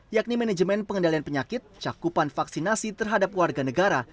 yakni manajemen pengendalian penyakit cakupan vaksinasi terhadap warga negara